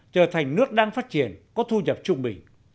trở thành nước đang phát triển có thu nhập trung bình